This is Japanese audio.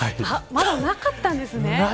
まだなかったんですね。